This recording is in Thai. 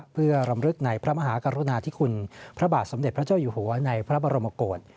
เพื่อรำลึกในพระมหากรุณาธิคุณพระบาทสมเด็จพระเจ้าอยู่หัวในพระบรมกฏ